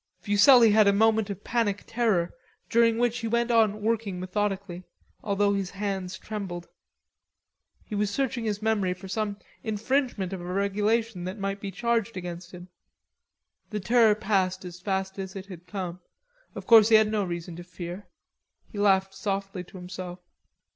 Fuselli had a moment of panic terror, during which he went on working methodically, although his hands trembled. He was searching his memory for some infringement of a regulation that might be charged against him. The terror passed as fast as it had come. Of course he had no reason to fear. He laughed softly to himself.